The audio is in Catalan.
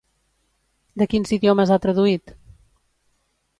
De quins idiomes ha traduït?